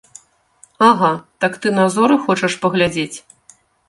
Ага, так ты на зоры хочаш паглядзець?